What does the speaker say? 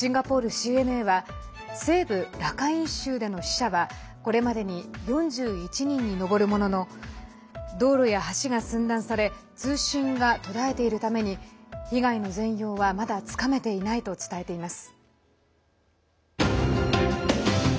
ＣＮＡは西部ラカイン州での死者はこれまでに４１人に上るものの道路や橋が寸断され通信が途絶えているために被害の全容はまだつかめていないと伝えています。